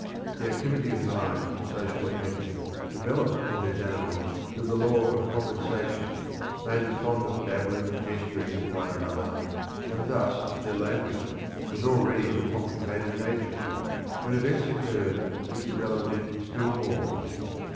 The activity of mind and social affection developed in these animals through the Law of Compensation, made them fond of babbling and gesturing to one another, and thus their language was already of a complicated nature, when events occurred which developed it still more.